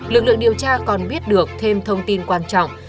lực lượng điều tra còn biết được thêm thông tin quan trọng